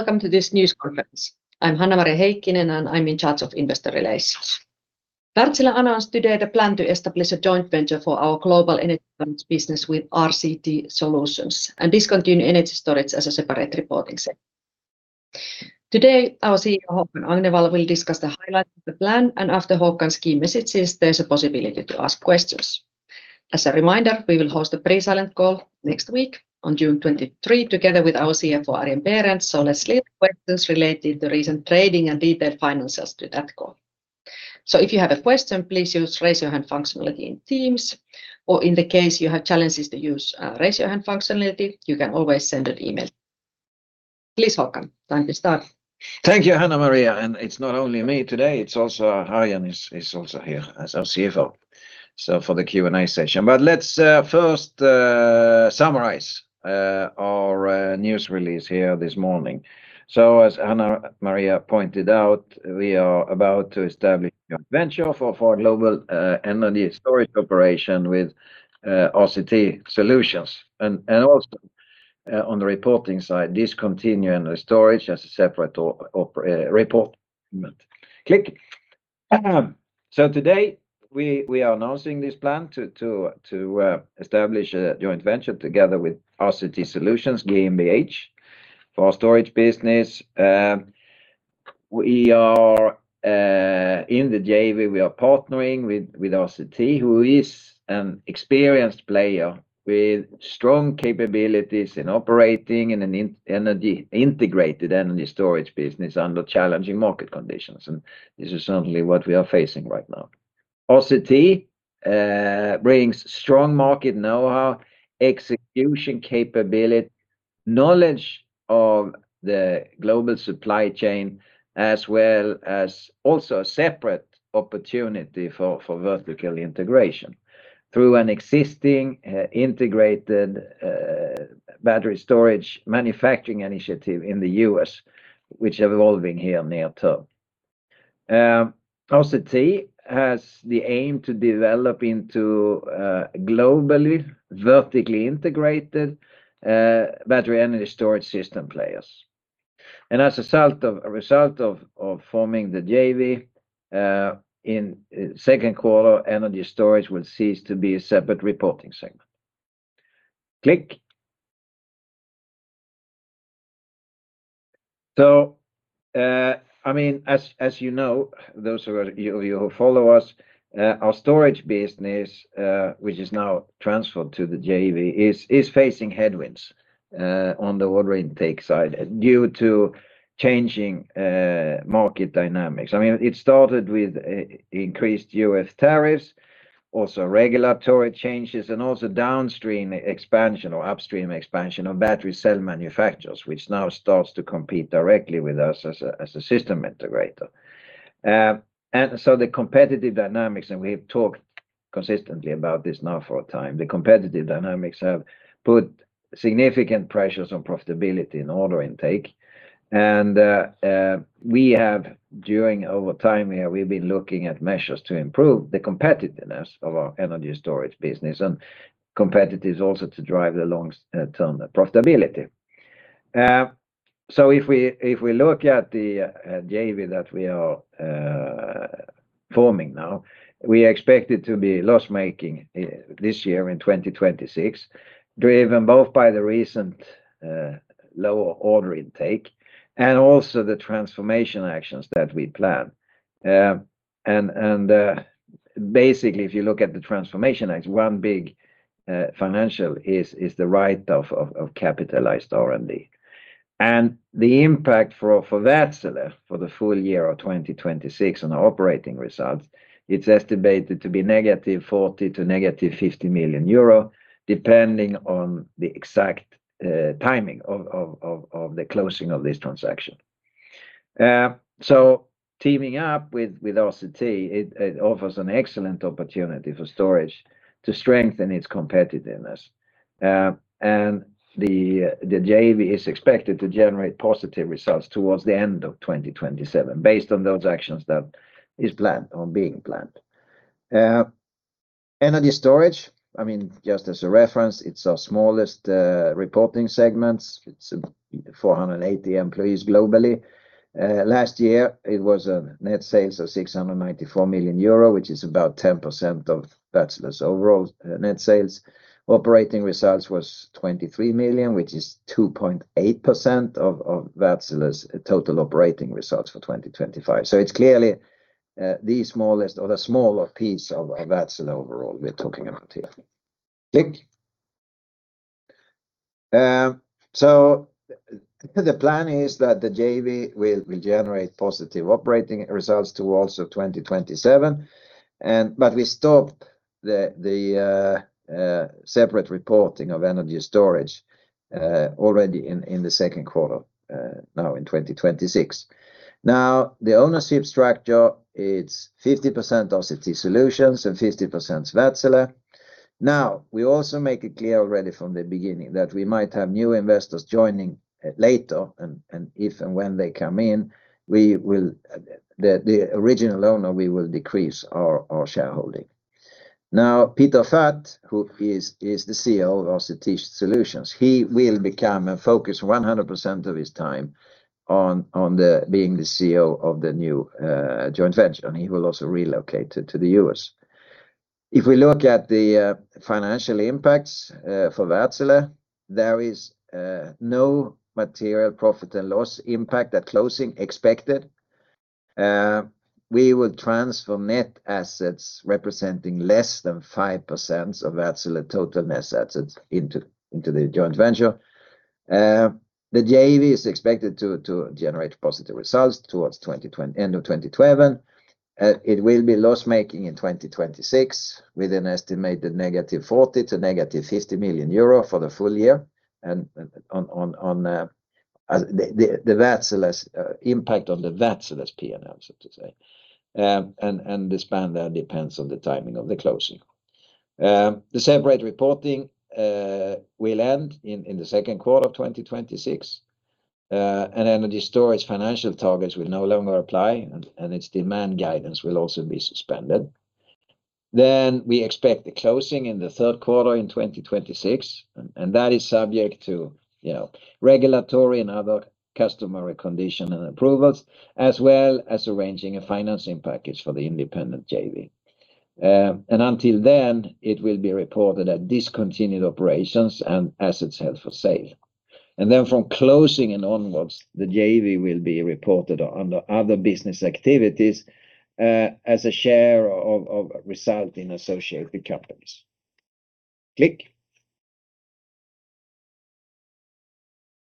Welcome to this news conference. I'm Hanna-Maria Heikkinen, and I'm in charge of investor relations. Wärtsilä announced today the plan to establish a joint venture for our global energy business with RCT Solutions, and discontinue energy storage as a separate reporting segment. Today, our CEO, Håkan Agnevall, will discuss the highlight of the plan, and after Håkan's key messages, there's a possibility to ask questions. As a reminder, we will host a pre-silent call next week on June 23 together with our CFO, Arjen Berends. Let's leave questions related to recent trading and detailed finances to that call. If you have a question, please use raise your hand functionality in Teams, or in the case you have challenges to use raise your hand functionality, you can always send an email. Please, Håkan, time to start. Thank you, Hanna-Maria. It's not only me today, Arjen is also here as our CFO for the Q&A session. Let's first summarize our news release here this morning. As Hanna-Maria pointed out, we are about to establish a venture for our global energy storage operation with RCT Solutions. Also on the reporting side, discontinuing the storage as a separate report. Click. Today, we are announcing this plan to establish a joint venture together with RCT Solutions GmbH for our storage business. In the JV, we are partnering with RCT, who is an experienced player with strong capabilities in operating in an integrated energy storage business under challenging market conditions. This is certainly what we are facing right now. RCT brings strong market know-how, execution capability, knowledge of the global supply chain, as well as also a separate opportunity for vertical integration through an existing integrated battery storage manufacturing initiative in the U.S., which evolving here near-term. RCT has the aim to develop into globally vertically integrated battery energy storage system players. As a result of forming the JV, in second quarter, energy storage will cease to be a separate reporting segment. Click. As you know, those of you who follow us, our storage business, which is now transferred to the JV, is facing headwinds on the order intake side due to changing market dynamics. It started with increased U.S. tariffs, also regulatory changes and also downstream expansion or upstream expansion of battery cell manufacturers, which now starts to compete directly with us as a system integrator. The competitive dynamics, and we've talked consistently about this now for a time, the competitive dynamics have put significant pressures on profitability and order intake. Over time here, we've been looking at measures to improve the competitiveness of our energy storage business and competitiveness also to drive the long-term profitability. If we look at the JV that we are forming now, we expect it to be loss-making this year in 2026, driven both by the recent lower order intake and also the transformation actions that we plan. Basically, if you look at the transformation action, one big financial is the write-off of capitalized R&D. The impact for Wärtsilä for the full year of 2026 on the operating results, it's estimated to be -40 million to -50 million euro, depending on the exact timing of the closing of this transaction. Teaming up with RCT, it offers an excellent opportunity for storage to strengthen its competitiveness. The JV is expected to generate positive results towards the end of 2027 based on those actions that is planned or being planned. Energy storage, just as a reference, it's our smallest reporting segment. It's 480 employees globally. Last year, it was a net sales of 694 million euro, which is about 10% of Wärtsilä's overall net sales. Operating results was 23 million, which is 2.8% of Wärtsilä's total operating results for 2025. It's clearly the smallest or the smaller piece of Wärtsilä overall we're talking about here. The plan is that the JV will generate positive operating results towards of 2027. We stopped the separate reporting of energy storage already in the second quarter, now in 2026. The ownership structure, it's 50% RCT Solutions and 50% Wärtsilä. We also make it clear already from the beginning that we might have new investors joining later, and if and when they come in, the original owner, we will decrease our shareholding. Peter Fath, who is the CEO of RCT Solutions, he will become and focus 100% of his time on being the CEO of the new joint venture, and he will also relocate to the U.S. If we look at the financial impacts for Wärtsilä, there is no material profit and loss impact at closing expected. We will transfer net assets representing less than 5% of Wärtsilä total net assets into the joint venture. The JV is expected to generate positive results towards end of 2027. It will be loss-making in 2026, with an estimated -40 to -50 million euro for the full year on the Wärtsilä's impact on the Wärtsilä's P&L, so to say. The span there depends on the timing of the closing. The separate reporting will end in the second quarter of 2026. The storage financial targets will no longer apply, and its demand guidance will also be suspended. We expect the closing in the third quarter in 2026, and that is subject to regulatory and other customary condition and approvals, as well as arranging a financing package for the independent JV. Until then, it will be reported that discontinued operations and assets held for sale. From closing and onwards, the JV will be reported under other business activities as a share of result in associated companies. Click.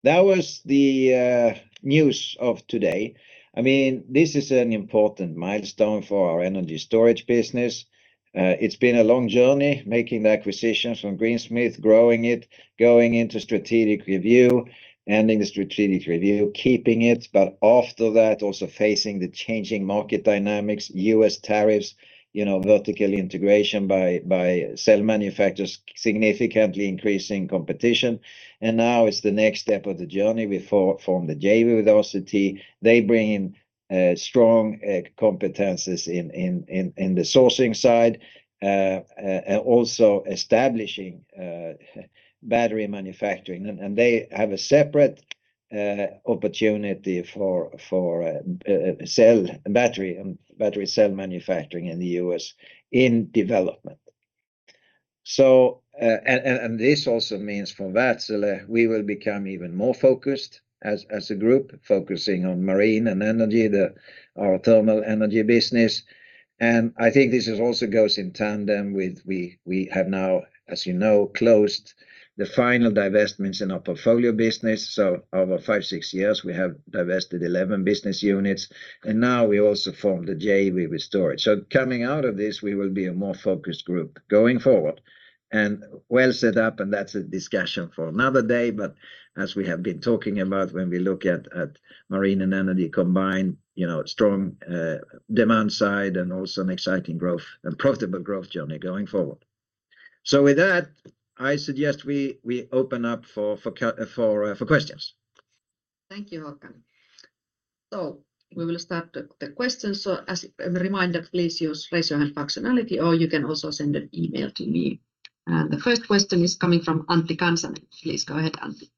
That was the news of today. This is an important milestone for our energy storage business. It's been a long journey making the acquisitions from Greensmith, growing it, going into strategic review, ending the strategic review, keeping it, but after that, also facing the changing market dynamics, U.S. tariffs, vertical integration by cell manufacturers, significantly increasing competition. Now it's the next step of the journey. We form the JV with RCT. They bring in strong competencies in the sourcing side, also establishing battery manufacturing. They have a separate opportunity for battery cell manufacturing in the U.S. in development. This also means for Wärtsilä, we will become even more focused as a group, focusing on marine and energy, our thermal energy business. I think this also goes in tandem with, we have now, as you know, closed the final divestments in our portfolio business. Over five, six years, we have divested 11 business units. We also form the JV with storage. Coming out of this, we will be a more focused group going forward and well set up, and that's a discussion for another day. As we have been talking about when we look at marine and energy combined, strong demand side and also an exciting growth and profitable growth journey going forward. With that, I suggest we open up for questions. Thank you, Håkan. We will start the questions. As a reminder, please use raise your hand functionality, or you can also send an email to me. The first question is coming from Antti Kansanen. Please go ahead, Antti.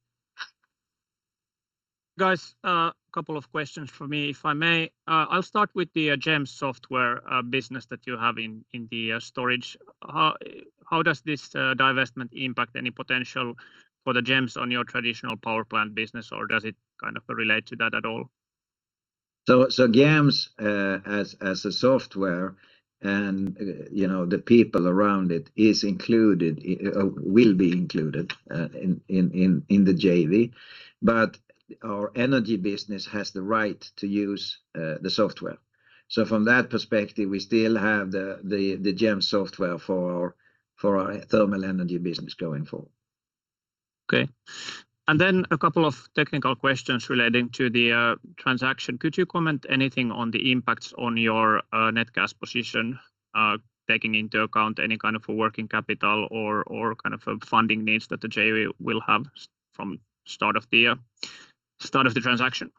Guys, a couple of questions from me, if I may. I'll start with the GEMS software business that you have in the storage. How does this divestment impact any potential for the GEMS on your traditional power plant business, or does it kind of relate to that at all? GEMS, as a software, and the people around it will be included in the JV. Our energy business has the right to use the software. From that perspective, we still have the GEMS software for our thermal energy business going forward. Then a couple of technical questions relating to the transaction. Could you comment anything on the impacts on your net cash position, taking into account any kind of a working capital or kind of funding needs that the JV will have from start of the transaction?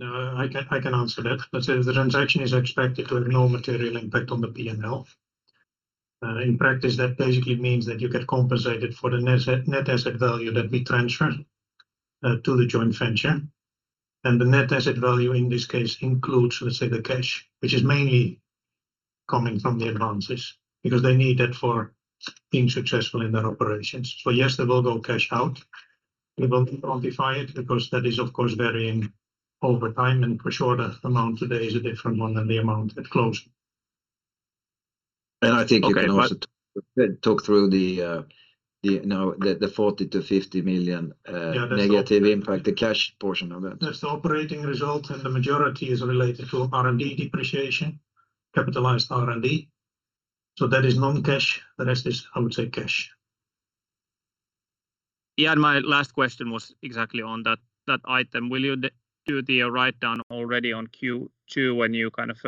I can answer that. Let's say the transaction is expected to have no material impact on the P&L. In practice, that basically means that you get compensated for the net asset value that we transfer to the joint venture. The net asset value in this case includes, let's say, the cash, which is mainly coming from the advances because they need that for being successful in their operations. Yes, there will go cash out. We won't quantify it because that is of course varying over time, and for sure the amount today is a different one than the amount at close. I think you can also talk through the 40 million-50 million negative impact, the cash portion of that. That's the operating result, the majority is related to R&D depreciation, capitalized R&D. That is non-cash. The rest is, I would say, cash. Yeah. My last question was exactly on that item. Will you do the write-down already on Q2 when you kind of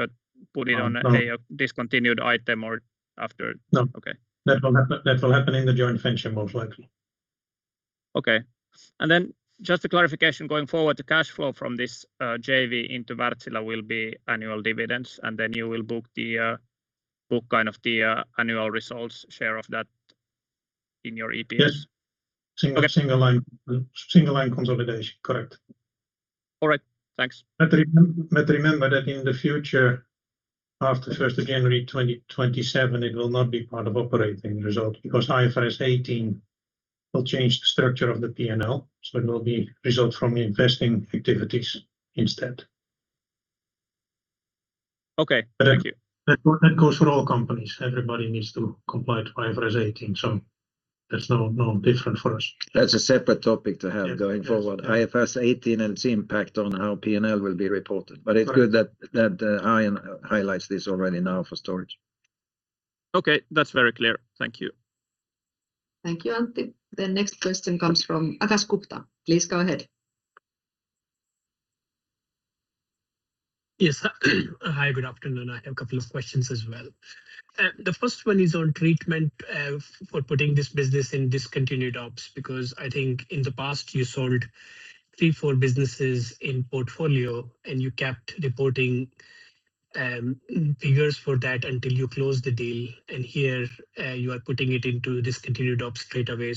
put it on a discontinued item or after? No. Okay. That will happen in the joint venture, most likely. Okay. Then just a clarification going forward, the cash flow from this JV into Wärtsilä will be annual dividends, and then you will book the annual results share of that in your EPS? Yes. Single line consolidation. Correct. All right. Thanks. Remember that in the future, after January 1st, 2027, it will not be part of operating result because IFRS 18 will change the structure of the P&L, it will be result from investing activities instead. Okay. Thank you. That goes for all companies. Everybody needs to comply to IFRS 18, that's no different for us. That's a separate topic to have going forward. IFRS 18 and its impact on how P&L will be reported. It's good that Arjen highlights this already now for storage. Okay. That's very clear. Thank you. Thank you, Antti. The next question comes from Akash Gupta. Please go ahead. Yes. Hi, good afternoon. I have a couple of questions as well. The first one is on treatment for putting this business in discontinued ops, because I think in the past you sold three, four businesses in portfolio, and you kept reporting figures for that until you closed the deal. Here, you are putting it into discontinued ops straight away.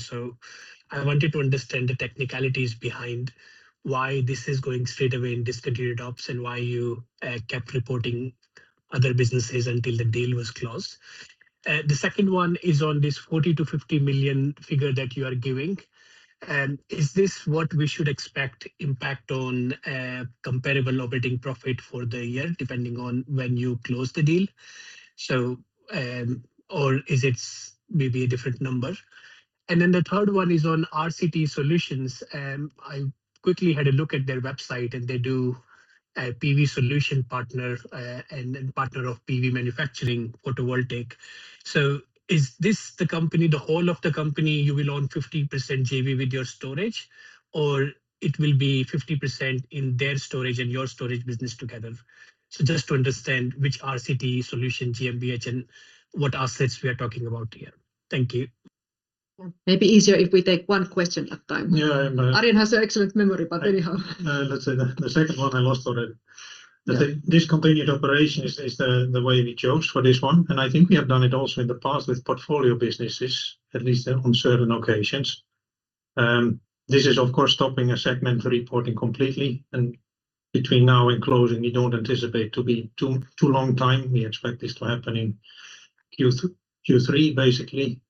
I wanted to understand the technicalities behind why this is going straight away in discontinued ops and why you kept reporting other businesses until the deal was closed. The second one is on this 40 million-50 million figure that you are giving. Is this what we should expect impact on comparable operating profit for the year, depending on when you close the deal? Is it maybe a different number? Then the third one is on RCT Solutions. I quickly had a look at their website, they do PV solution partner, then partner of PV manufacturing photovoltaic. Is this the whole of the company you will own 50% JV with your storage, or it will be 50% in their storage and your storage business together? Just to understand which RCT Solutions GmbH, and what assets we are talking about here. Thank you. Maybe easier if we take one question at a time. Yeah. Arjen has an excellent memory, but anyhow. Let's say the second one I lost already. The discontinued operation is the way we chose for this one, and I think we have done it also in the past with portfolio businesses, at least on certain occasions. This is, of course, stopping a segment reporting completely, and between now and closing, we don't anticipate to be too long time. We expect this to happen in Q3, basically.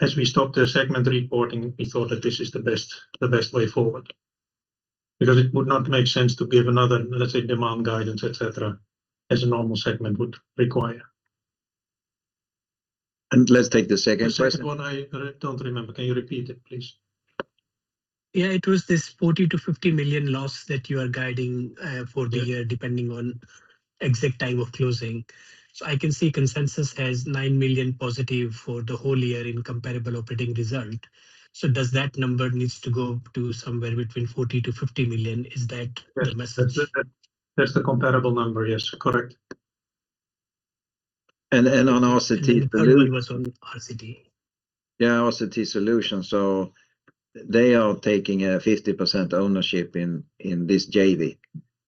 As we stop the segment reporting, we thought that this is the best way forward. It would not make sense to give another, let's say, demand guidance, et cetera, as a normal segment would require. Let's take the second question. The second one I don't remember. Can you repeat it, please? Yeah. It was this 40 million-50 million loss that you are guiding for the year, depending on exact time of closing. I can see consensus has 9 million positive for the whole year in comparable operating result. Does that number needs to go to somewhere between 40 million-50 million? Is that the message? That's the comparable number, yes. Correct. On RCT. The third one was on RCT. Yeah, RCT Solutions. They are taking a 50% ownership in this JV.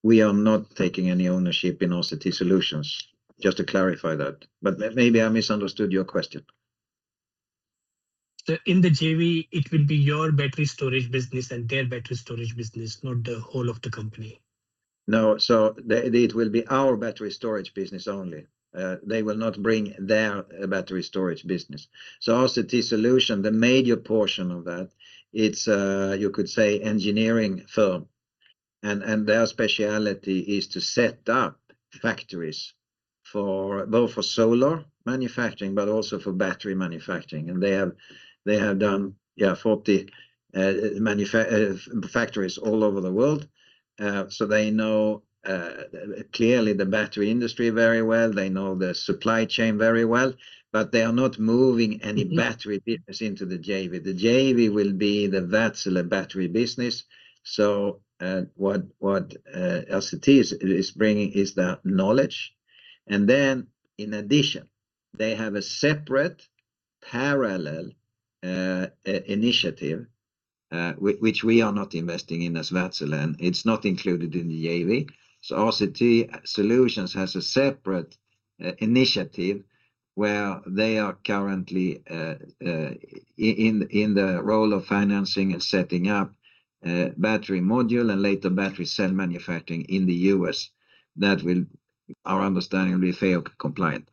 We are not taking any ownership in RCT Solutions, just to clarify that. Maybe I misunderstood your question. In the JV, it will be your battery storage business and their battery storage business, not the whole of the company? No. It will be our battery storage business only. They will not bring their battery storage business. RCT Solutions, the major portion of that, it's, you could say, engineering firm. Their speciality is to set up factories both for solar manufacturing, but also for battery manufacturing. They have done 40 factories all over the world. They know, clearly, the battery industry very well. They know the supply chain very well. They are not moving any battery business into the JV. The JV will be the Wärtsilä battery business. What RCT is bringing is that knowledge. In addition, they have a separate parallel initiative, which we are not investing in as Wärtsilä, and it's not included in the JV. RCT Solutions has a separate initiative where they are currently in the role of financing and setting up battery module and later battery cell manufacturing in the U.S. That will, our understanding, be FEOC compliant.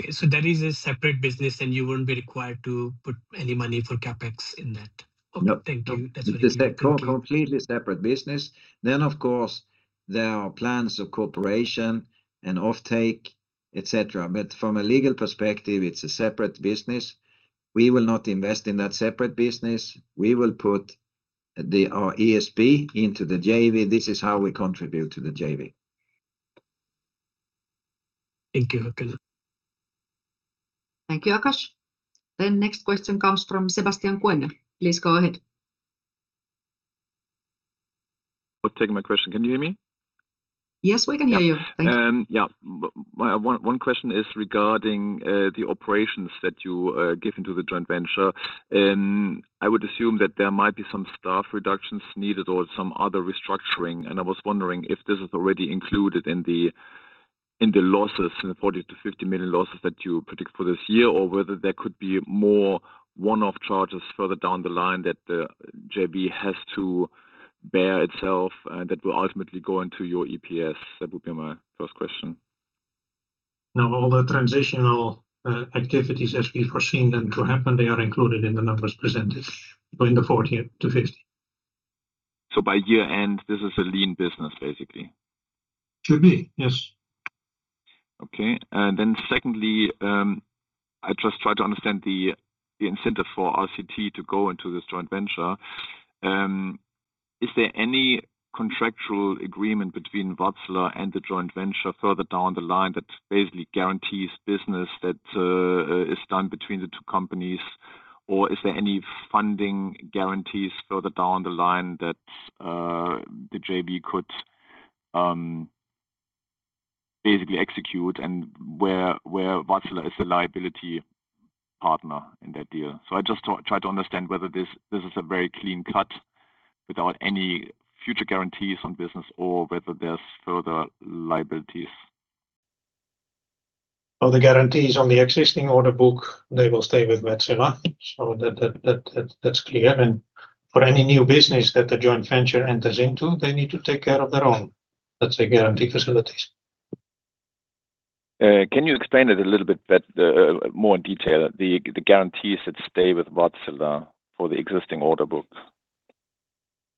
Okay, that is a separate business, and you wouldn't be required to put any money for CapEx in that? No. Okay. Thank you. That's what I needed. Thank you. It's a completely separate business. Of course, there are plans of cooperation and offtake, et cetera. From a legal perspective, it's a separate business. We will not invest in that separate business. We will put our ESS into the JV. This is how we contribute to the JV. Thank you. Thank you, Akash. Next question comes from Sebastian Kuenne. Please go ahead. Thank you for taking my question. Can you hear me? Yes, we can hear you. Thanks. Yeah. One question is regarding the operations that you give into the joint venture. I would assume that there might be some staff reductions needed or some other restructuring, and I was wondering if this is already included in the losses, in the 40 million-50 million losses that you predict for this year, or whether there could be more one-off charges further down the line that the JV has to bear itself that will ultimately go into your EPS. That would be my first question. Now, all the transitional activities as we foreseen them to happen, they are included in the numbers presented, in the 40 million-50 million. By year-end, this is a lean business, basically? Should be, yes. I just try to understand the incentive for RCT to go into this joint venture. Is there any contractual agreement between Wärtsilä and the joint venture further down the line that basically guarantees business that is done between the two companies? Or is there any funding guarantees further down the line that the JV could basically execute and where Wärtsilä is the liability partner in that deal? I just try to understand whether this is a very clean cut without any future guarantees on business or whether there's further liabilities. All the guarantees on the existing order book, they will stay with Wärtsilä. That's clear. For any new business that the joint venture enters into, they need to take care of their own, let's say, guarantee facilities. Can you explain it a little bit more in detail, the guarantees that stay with Wärtsilä for the existing order book?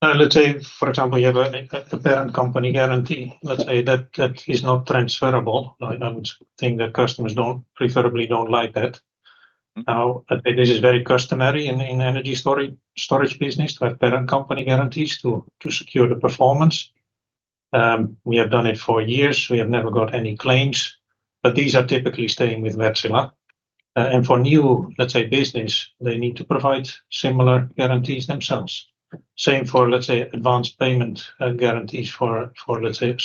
Let's say, for example, you have a parent company guarantee. Let's say that is not transferable. I don't think that customers preferably don't like that. This is very customary in energy storage business to have parent company guarantees to secure the performance. We have done it for years. We have never got any claims. These are typically staying with Wärtsilä. For new, let's say, business, they need to provide similar guarantees themselves. Same for, let's say, advance payment guarantees for, let's say,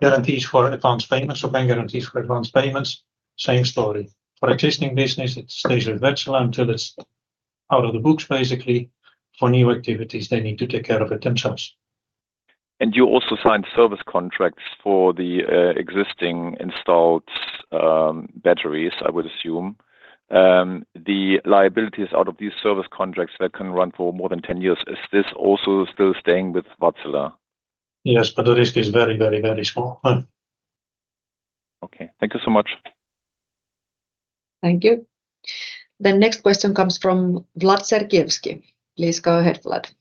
guarantees for advance payments or bank guarantees for advance payments, same story. For existing business, it stays with Wärtsilä until it's out of the books, basically. For new activities, they need to take care of it themselves. You also signed service contracts for the existing installed batteries, I would assume. The liabilities out of these service contracts that can run for more than 10 years, is this also still staying with Wärtsilä? Yes, but the risk is very small. Thank you so much. Thank you. The next question comes from Vlad Sergievskii. Please go ahead, Vlad.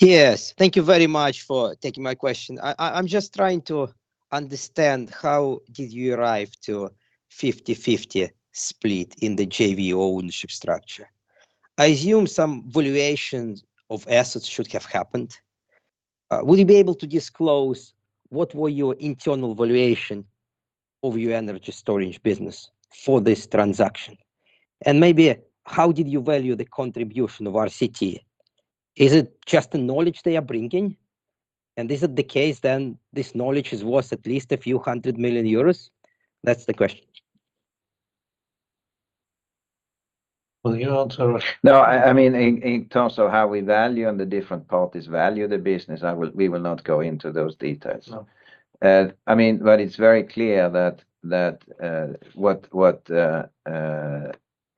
Yes. Thank you very much for taking my question. I'm just trying to understand how did you arrive to 50/50 split in the JV ownership structure. I assume some valuation of assets should have happened. Will you be able to disclose what were your internal valuation of your energy storage business for this transaction? Maybe how did you value the contribution of RCT? Is it just the knowledge they are bringing? Is it the case this knowledge is worth at least a few hundred million euros? That's the question. Will you answer? No, in terms of how we value and the different parties value the business, we will not go into those details. No. It's very clear that what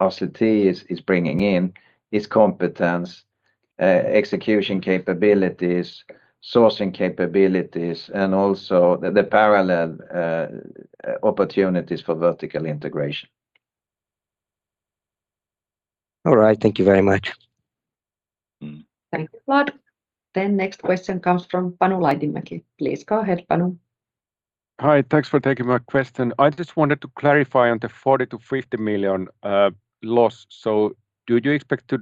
RCT is bringing in is competence, execution capabilities, sourcing capabilities, and also the parallel opportunities for vertical integration. All right. Thank you very much. Thank you, Vlad. Next question comes from Panu Laitinmäki. Please go ahead, Panu. Hi. Thanks for taking my question. I just wanted to clarify on the 40 million-50 million loss. Do you expect to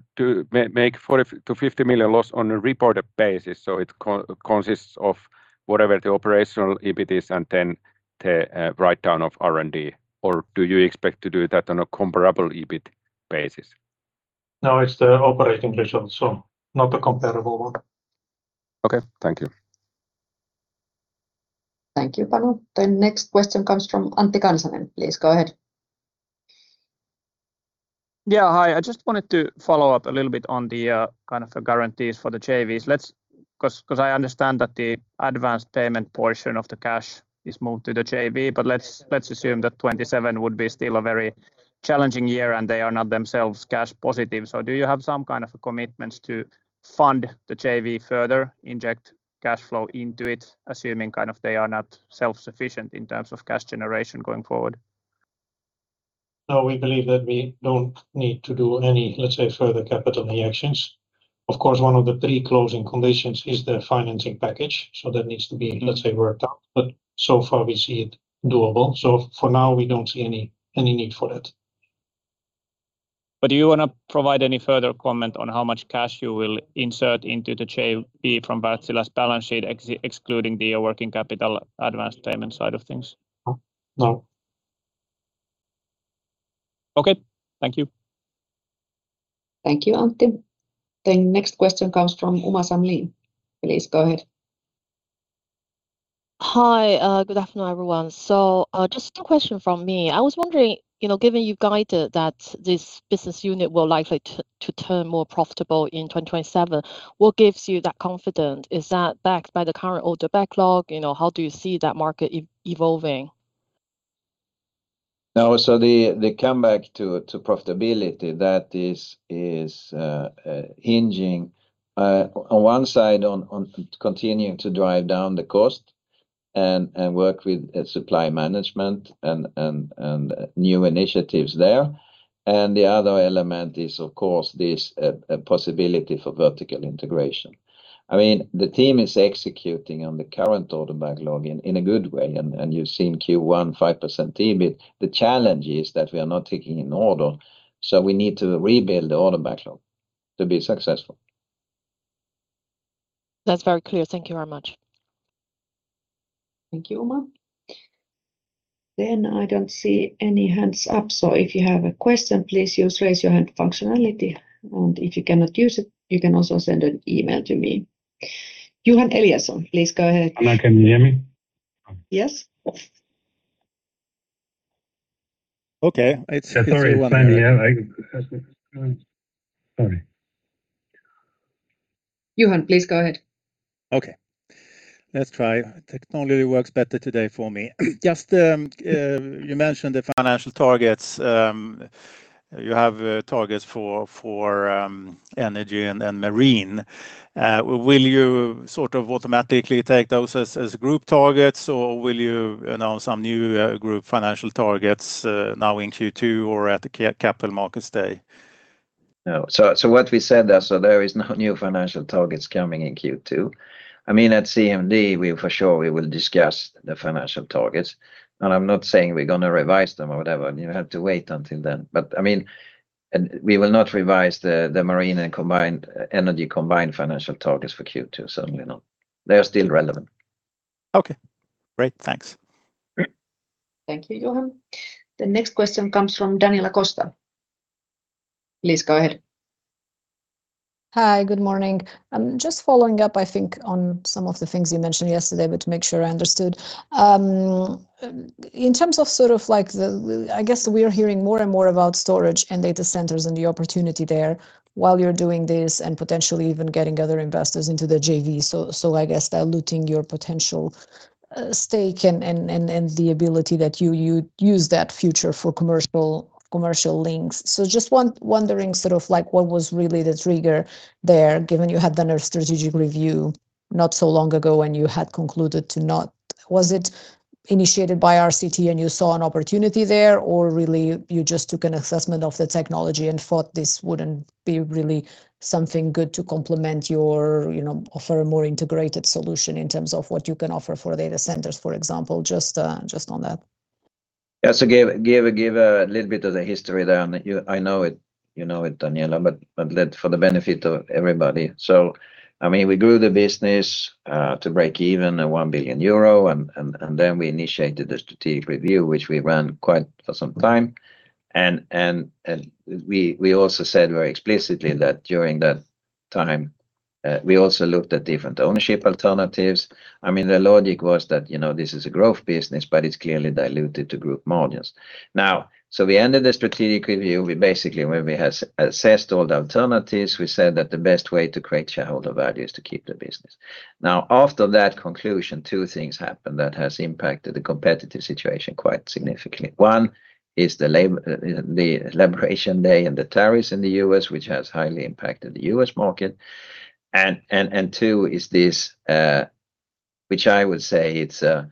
make 40 million-50 million loss on a reported basis, so it consists of whatever the operational EBIT is and then the write-down of R&D? Do you expect to do that on a comparable EBIT basis? No, it's the operating results, so not a comparable one. Okay. Thank you. Thank you, Panu. The next question comes from Antti Kansanen. Please go ahead. Yeah. Hi. I just wanted to follow up a little bit on the kind of guarantees for the JVs. I understand that the advanced payment portion of the cash is moved to the JV, but let's assume that 2027 would be still a very challenging year, and they are not themselves cash positive. Do you have some kind of commitments to fund the JV further, inject cash flow into it, assuming kind of they are not self-sufficient in terms of cash generation going forward? No, we believe that we don't need to do any, let's say, further capital actions. Of course, one of the pre-closing conditions is the financing package, so that needs to be, let's say, worked out. So far, we see it doable. For now, we don't see any need for that. Do you want to provide any further comment on how much cash you will insert into the JV from Wärtsilä's balance sheet, excluding the working capital advanced payment side of things? No Okay. Thank you. Thank you, Antti. The next question comes from Uma Samlin. Please go ahead. Hi. Good afternoon, everyone. Just a question from me. I was wondering, given you guided that this business unit will likely to turn more profitable in 2027, what gives you that confidence? Is that backed by the current order backlog? How do you see that market evolving? Now, the comeback to profitability that is hinging on one side on continuing to drive down the cost and work with supply management and new initiatives there. The other element is, of course, this possibility for vertical integration. The team is executing on the current order backlog in a good way, and you've seen Q1 5% EBIT. The challenge is that we are not taking an order, we need to rebuild the order backlog to be successful. That's very clear. Thank you very much. Thank you, Uma. I don't see any hands up, if you have a question, please use raise your hand functionality, if you cannot use it, you can also send an email to me. Johan Eliason, please go ahead. Hanna, can you hear me? Yes. Okay. Sorry. It's finally here. Sorry. Johan, please go ahead. Okay. Let's try. Technology works better today for me. You mentioned the financial targets. You have targets for energy and then marine. Will you automatically take those as group targets, or will you announce some new group financial targets now in Q2 or at the Capital Markets Day? No. What we said there is no new financial targets coming in Q2. At CMD, we for sure will discuss the financial targets, I'm not saying we're going to revise them or whatever. You have to wait until then. We will not revise the Marine and Energy combined financial targets for Q2, certainly not. They are still relevant. Okay. Great. Thanks. Thank you, Johan. The next question comes from Daniela Costa. Please go ahead. Hi. Good morning. Just following up, I think, on some of the things you mentioned yesterday, but to make sure I understood. In terms of the I guess we are hearing more and more about storage and data centers and the opportunity there while you're doing this and potentially even getting other investors into the JV, I guess diluting your potential stake and the ability that you use that future for commercial links. Just wondering what was really the trigger there, given you had done a strategic review not so long ago, and you had concluded to not. Was it initiated by RCT and you saw an opportunity there, or really you just took an assessment of the technology and thought this wouldn't be really something good to complement offer a more integrated solution in terms of what you can offer for data centers, for example, just on that. Yeah. Give a little bit of the history there, and I know you know it, Daniela, but for the benefit of everybody. We grew the business to break even at 1 billion euro, we initiated the strategic review, which we ran quite for some time. We also said very explicitly that during that time, we also looked at different ownership alternatives. The logic was that this is a growth business, but it's clearly diluted to group margins. Now, we ended the strategic review. We basically, when we had assessed all the alternatives, we said that the best way to create shareholder value is to keep the business. Now, after that conclusion, two things happened that has impacted the competitive situation quite significantly. One is the Liberation Day and the tariffs in the U.S., which has highly impacted the U.S. market, and two is this, which I would say it's a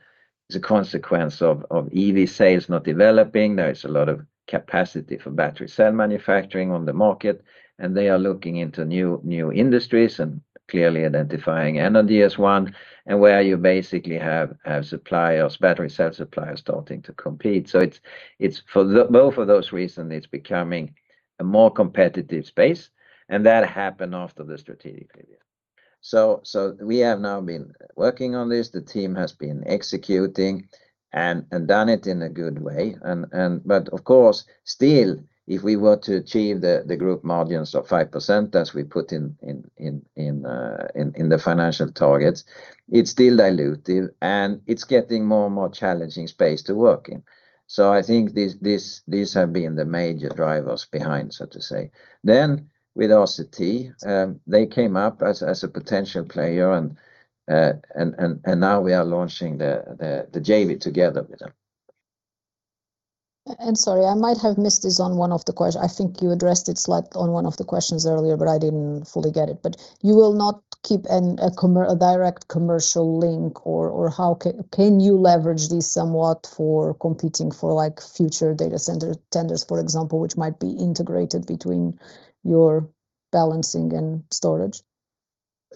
consequence of EV sales not developing. There is a lot of capacity for battery cell manufacturing on the market, and they are looking into new industries and clearly identifying energy as one, and where you basically have suppliers, battery cell suppliers starting to compete. For both of those reasons, it's becoming a more competitive space, and that happened after the strategic review. We have now been working on this. The team has been executing and done it in a good way. Of course, still, if we were to achieve the group margins of 5% as we put in the financial targets, it's still dilutive, and it's getting more and more challenging space to work in. I think these have been the major drivers behind, so to say. Then with RCT, they came up as a potential player, and now we are launching the JV together with them. Sorry, I might have missed this on one of the questions. I think you addressed it slightly on one of the questions earlier, but I didn't fully get it. You will not keep a direct commercial link, or can you leverage this somewhat for competing for future data center tenders, for example, which might be integrated between your balancing and energy storage?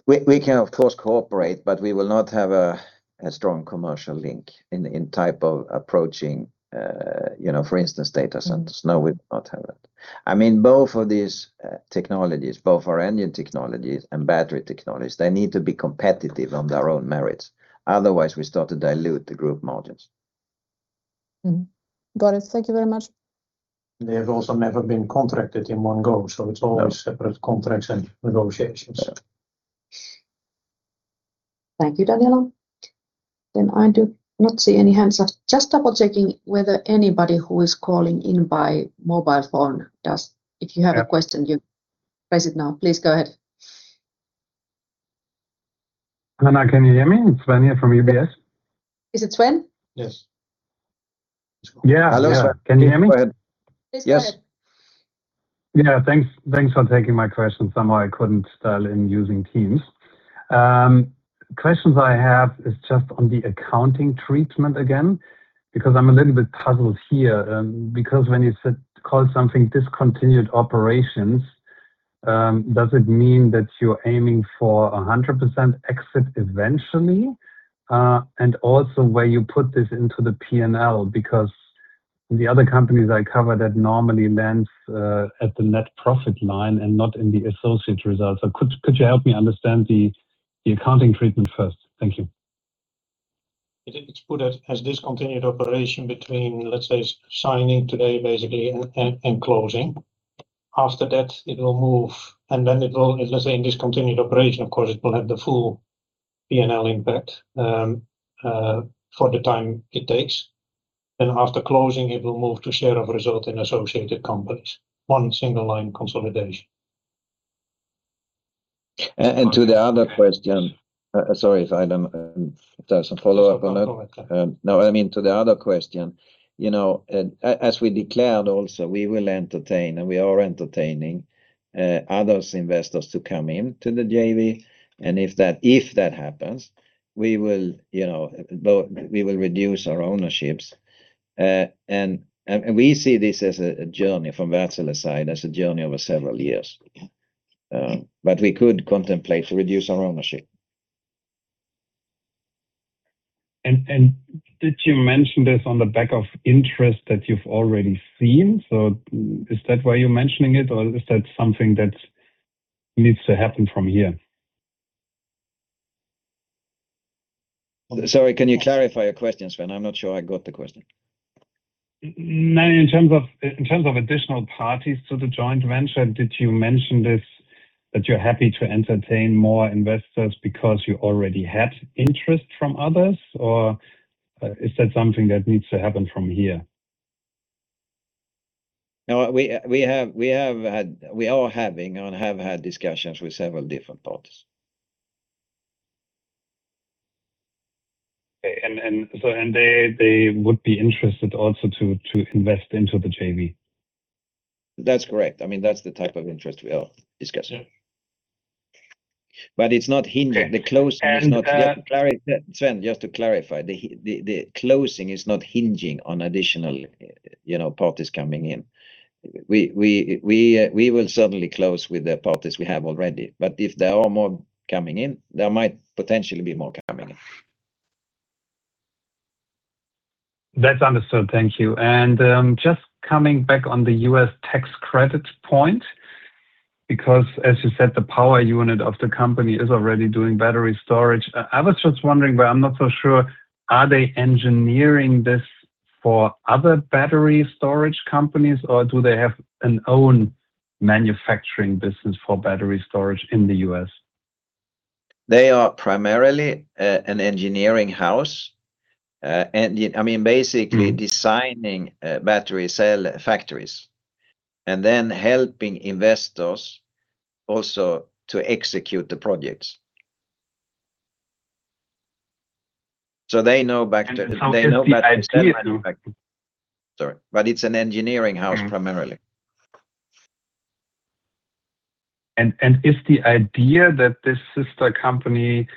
We can, of course, cooperate, but we will not have a strong commercial link in type of approaching, for instance, data centers. No, we will not have that. Both of these technologies, both our engine technologies and battery technologies, they need to be competitive on their own merits, otherwise we start to dilute the group margins. Mm-hmm. Got it. Thank you very much. They have also never been contracted in one go, so it's always separate contracts and negotiations. Thank you, Daniela. I do not see any hands up. Just double-checking whether anybody who is calling in by mobile phone, if you have a question, you press it now. Please go ahead. Hanna-Maria, can you hear me? It's Sven here from UBS. Is it Sven? Yes. Yeah. Hello, sir. Can you hear me? Go ahead. Please go ahead. Yes. Thanks for taking my question. Somehow I couldn't dial in using Teams. Questions I have is just on the accounting treatment again, because I'm a little bit puzzled here. When you call something discontinued operations, does it mean that you're aiming for 100% exit eventually? Where you put this into the P&L, because the other companies I cover that normally lands at the net profit line and not in the associate results. Could you help me understand the accounting treatment first? Thank you. It's put as discontinued operation between, let's say, signing today, basically, and closing. After that, it will move, in discontinued operation, of course, it will have the full P&L impact for the time it takes. After closing, it will move to share of result in associated companies. One single line consolidation. To the other question. Sorry if I don't do some follow-up on it. To the other question. As we declared also, we will entertain, and we are entertaining, other investors to come in to the JV. If that happens, we will reduce our ownerships. We see this as a journey from Wärtsilä side, as a journey over several years. We could contemplate to reduce our ownership. Did you mention this on the back of interest that you've already seen? Is that why you're mentioning it, or is that something that needs to happen from here? Sorry, can you clarify your question, Sven? I am not sure I got the question. In terms of additional parties to the joint venture, did you mention this, that you are happy to entertain more investors because you already had interest from others, or is that something that needs to happen from here? No, we are having and have had discussions with several different parties. Okay. They would be interested also to invest into the JV? That's correct. That's the type of interest we are discussing. Sven, just to clarify, the closing is not hinging on additional parties coming in. We will certainly close with the parties we have already, but if there are more coming in, there might potentially be more coming in. That's understood. Thank you. Just coming back on the U.S. tax credits point, because as you said, the power unit of the company is already doing battery storage. I was just wondering, but I'm not so sure, are they engineering this for other battery storage companies, or do they have an own manufacturing business for battery storage in the U.S.? They are primarily an engineering house, basically designing battery cell factories and then helping investors also to execute the projects. They know battery cell manufacturing. It's an engineering house primarily. Is the idea that this sister company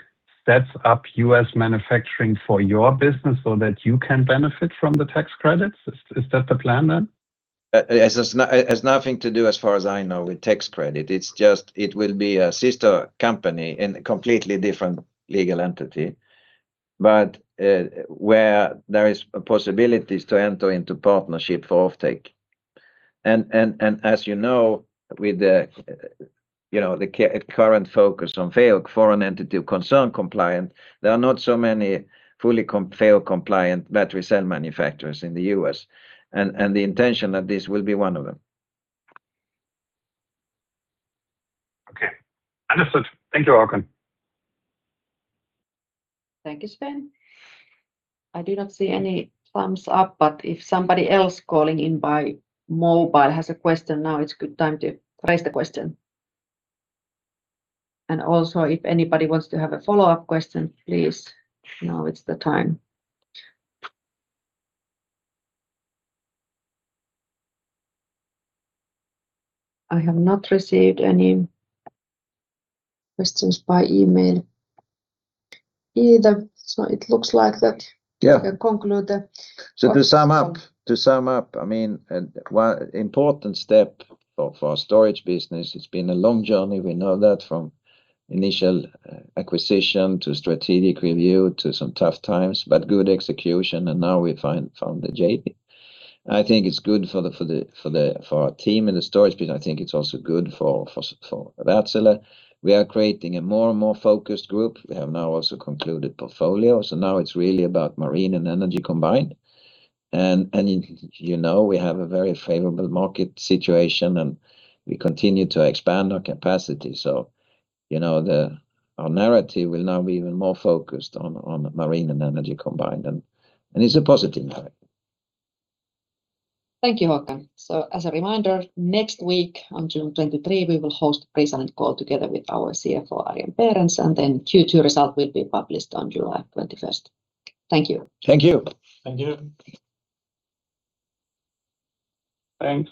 sets up U.S. manufacturing for your business so that you can benefit from the tax credits? Is that the plan then? It has nothing to do, as far as I know, with tax credit. It will be a sister company in a completely different legal entity, but where there is possibilities to enter into partnership for offtake. As you know, with the current focus on FEOC, Foreign Entity of Concern compliant, there are not so many fully FEOC compliant battery cell manufacturers in the U.S., and the intention that this will be one of them. Okay. Understood. Thank you, Håkan. Thank you, Sven. I do not see any thumbs up, but if somebody else calling in by mobile has a question now, it's good time to raise the question. Also, if anybody wants to have a follow-up question, please, now is the time. I have not received any questions by email either, so it looks like. Yeah. We can conclude. To sum up, important step for our storage business. It's been a long journey, we know that, from initial acquisition to strategic review to some tough times, good execution, now we found the JV. I think it's good for our team in the storage business. I think it's also good for Wärtsilä. We are creating a more and more focused group. We have now also concluded portfolio, now it's really about marine and energy combined. You know we have a very favorable market situation, we continue to expand our capacity. Our narrative will now be even more focused on marine and energy combined, it's a positive narrative. Thank you, Håkan. As a reminder, next week on June 23, we will host a pre-silent call together with our CFO, Arjen Berends, then Q2 result will be published on July 21st. Thank you. Thank you. Thank you. Thanks.